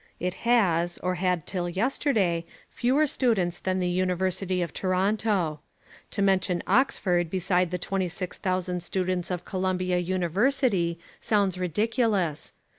It has, or had till yesterday, fewer students than the University of Toronto. To mention Oxford beside the 26,000 students of Columbia University sounds ridiculous.